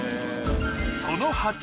その８